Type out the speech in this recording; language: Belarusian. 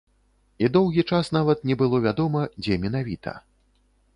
І доўгі час нават не было вядома, дзе менавіта.